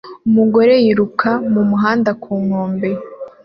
Umugore yiruka mumuhanda ku nkombe